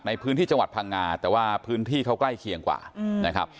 ในพื้นที่จังหวัดพังงาแต่ว่าพื้นที่เขาใกล้เคียงกว่านะครับ